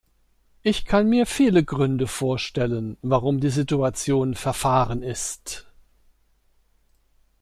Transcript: Ich kann mir viele Gründe vorstellen, warum die Situation verfahren ist.